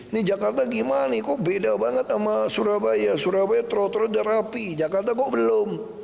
ini jakarta gimana kok beda banget sama surabaya surabaya trotoar udah rapi jakarta kok belum